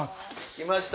来ました！